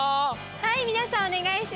はいみなさんおねがいします。